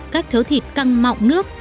các thiếu thịt căng mọng nước